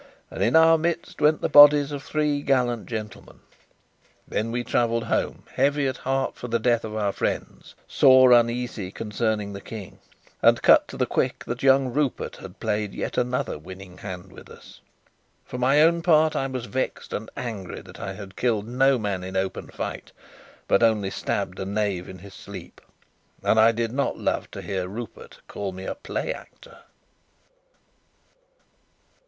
And, in our midst, went the bodies of three gallant gentlemen. Thus we travelled home, heavy at heart for the death of our friends, sore uneasy concerning the King, and cut to the quick that young Rupert had played yet another winning hand with us. For my own part, I was vexed and angry that I had killed no man in open fight, but only stabbed a knave in his sleep. And I did not love to hear Rupert call me a play actor.